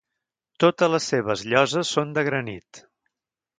Totes les seves lloses són de granit.